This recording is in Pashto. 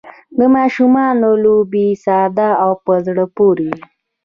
د ماشومانو لوبې ساده او په زړه پورې وي.